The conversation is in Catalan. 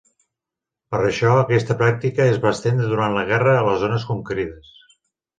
Per això, aquesta pràctica es va estendre durant la guerra a les zones conquerides.